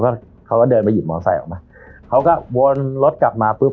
แล้วเขาก็เดินไปหยิบมอไซค์ออกมาเขาก็วนรถกลับมาปุ๊บ